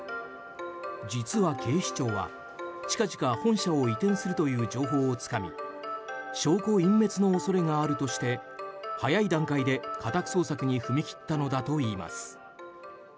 実は、警視庁は近々、本社を移転するという情報をつかみ証拠隠滅の恐れがあるとして早い段階で、家宅捜索に踏み切ったのだといいます。